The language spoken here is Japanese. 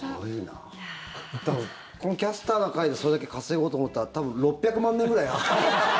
この「キャスターな会」でそれだけ稼ごうと思ったら６００万年ぐらい。